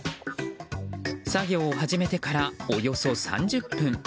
作業を始めてからおよそ３０分。